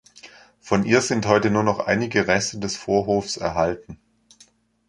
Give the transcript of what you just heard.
Von ihr sind heute nur noch einige Reste des Vorhofs erhalten.